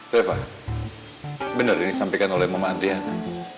reva bener ini disampaikan oleh mama andriana